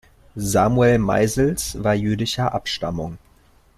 Samuel Meisels war jüdischer Abstammung.